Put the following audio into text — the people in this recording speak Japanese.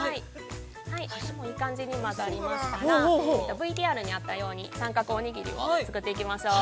いい感じに混ざりましたらＶＴＲにあったように三角おにぎりを作っていきましょう。